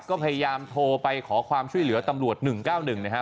ก็พยายามโทรไปขอความช่วยเหลือตำลวดหนึ่งเก้าหนึ่งนะฮะ